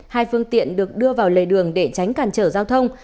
hai phương tiện được đưa vào lề đường để tránh càn trở giao thông